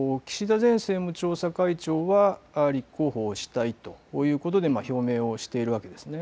前政務調査会長は立候補したいということで表明をしているわけです。